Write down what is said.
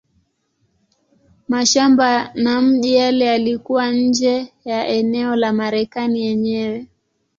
Mashamba na miji yale yalikuwa nje ya eneo la Marekani yenyewe.